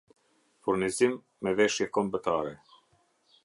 Furnizim me veshje kombëtare